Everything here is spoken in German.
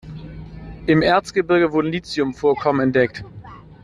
Im Erzgebirge wurden Lithium-Vorkommen entdeckt.